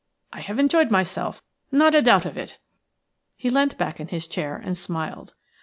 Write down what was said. I have enjoyed myself, not a doubt of it." He leant back in his chair and smiled.